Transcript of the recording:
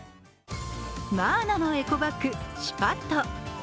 マーナのエコバッグ、シュパット。